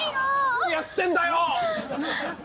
何やってんだよ！？